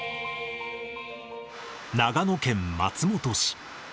長野県松本市。